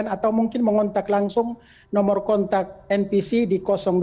atau mungkin mengontak langsung nomor kontak npc di delapan